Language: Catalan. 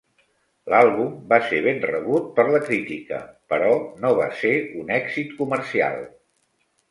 L'àlbum va ser ben rebut per la crítica, però no va ser un èxit comercial.